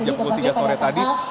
jam pukul tiga sore tadi